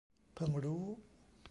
เพิ่งรู้